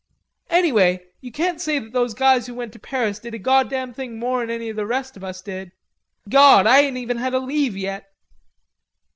"Anyway, you can't say that those guys who went to Paris did a goddam thing more'n any the rest of us did.... Gawd, I ain't even had a leave yet."